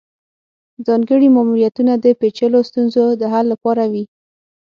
ځانګړي ماموریتونه د پیچلو ستونزو د حل لپاره وي